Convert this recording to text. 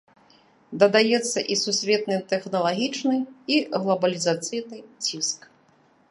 Дадаецца і сусветны тэхналагічны і глабалізацыйны ціск.